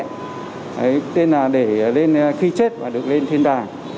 đấy tên là để lên khi chết và được lên thiên đàng